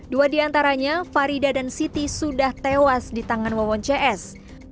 dua di antaranya farida dan siti sudah tewas di tangan wawon cs